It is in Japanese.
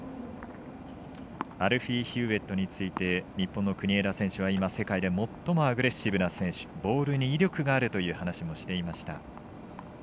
アルフィー・ヒューウェットについて日本の国枝選手は今、世界で最もアグレッシブな選手ボールに威力があるという話をしていました。